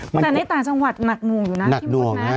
แต่ในต่างจังหวัดหนักหน่วงอยู่นะพี่บุ๊คนะ